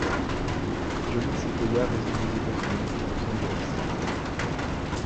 Johnny Sequoyah réside aux États-Unis, à Los Angeles.